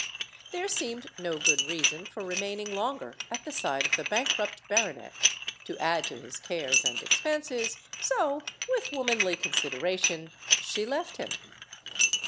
There seemed no good reason for remaining longer at the side of the bankrupt baronet, to add to his cares . LADY HAMILTON and expenses. So, with womanly consideration, ?he left him.